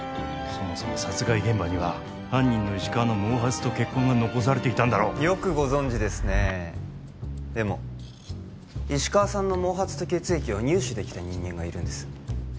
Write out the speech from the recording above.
殺害現場には犯人の石川の毛髪と血痕が残されていたんだろよくご存じですねえでも石川さんの毛髪と血液を入手できた人間がいるんです